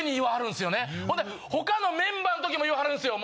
ほんで他のメンバーん時も言わはるんですよ。